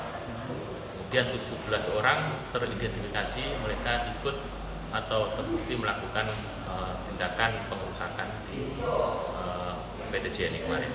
kemudian tujuh belas orang teridentifikasi mereka ikut atau terbukti melakukan tindakan pengerusakan di ptjni kemarin